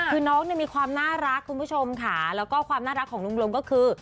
คือน้องเนี่ยมีความน่ารักคุณผู้ชมค่ะแล้วก็ความน่ารักของลุงลงก็คือ